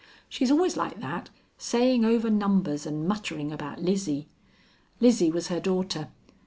"She's always like that, saying over numbers, and muttering about Lizzie. Lizzie was her daughter.